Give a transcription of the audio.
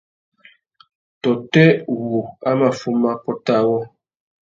Tôtê wu a mà fuma pôt awô ?